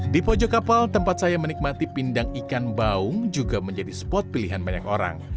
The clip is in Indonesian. di pojok kapal tempat saya menikmati pindang ikan baung juga menjadi spot pilihan banyak orang